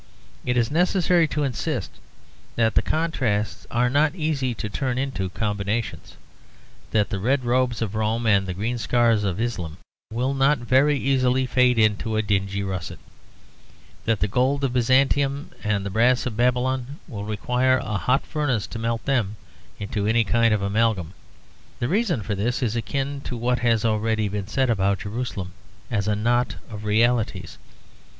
It is necessary to insist that the contrasts are not easy to turn into combinations; that the red robes of Rome and the green scarves of Islam will not very easily fade into a dingy russet; that the gold of Byzantium and the brass of Babylon will require a hot furnace to melt them into any kind of amalgam. The reason for this is akin to what has already been said about Jerusalem as a knot of realities.